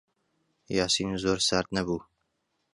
یاسین زۆر سارد نەبوو.